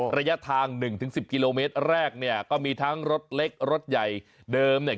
ระยะทางหนึ่งถึงสิบกิโลเมตรแรกเนี่ยก็มีทั้งรถเล็กรถใหญ่เดิมเนี่ย